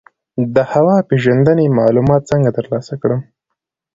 د هوا پیژندنې معلومات څنګه ترلاسه کړم؟